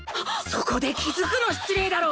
そこで気づくの失礼だろ！